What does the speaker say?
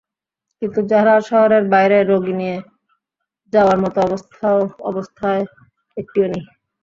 কিন্তু জেলা শহরের বাইরে রোগী নিয়ে যাওয়ার মতো অবস্থায় একটিও নেই।